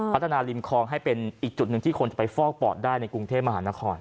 ริมคลองให้เป็นอีกจุดหนึ่งที่คนจะไปฟอกปอดได้ในกรุงเทพมหานคร